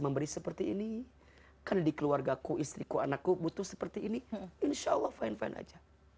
memberi seperti ini karena dikeluarga ku istriku anakku butuh seperti ini insyaallah fine fine aja